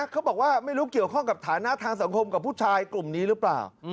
เขาบอกว่าไม่รู้เกี่ยวข้องกับฐานะทางสังคมกับผู้ชายกลุ่มนี้หรือเปล่า